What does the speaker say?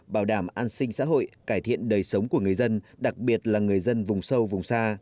bảo đảm an sinh xã hội cải thiện đời sống của người dân đặc biệt là người dân vùng sâu vùng xa